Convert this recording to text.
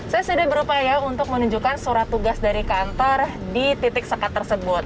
saya sudah berupaya untuk menunjukkan surat tugas dari kantor di titik sekat tersebut